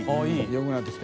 よくなってきた。